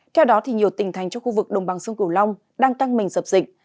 theo đó nhiều tỉnh thành trong khu vực đồng bằng sông cửu long đang căng mình dập dịch